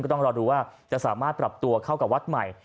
ต้องรอดูว่าจะสามารถปรับตัวเข้ากับวัดใหม่